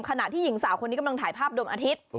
ขณะที่หญิงสาวคนนี้กำลังถ่ายภาพดวงอาทิตย์